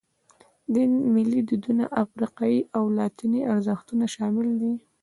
دین، ملي دودونه، افریقایي او لاتیني ارزښتونه شامل دي.